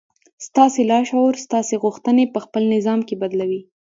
ستاسې لاشعور ستاسې غوښتنې پهخپل نظام کې بدلوي